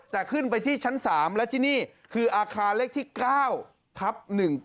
แต่ขึ้นไปที่ชั้น๓และที่นี่คืออาคารเลขที่๙ทับ๑๙